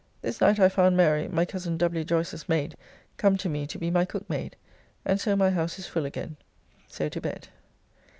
This night I found Mary, my cozen W. Joyce's maid, come to me to be my cook maid, and so my house is full again. So to bed.